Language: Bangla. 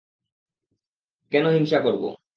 কেন হিংসা করবো?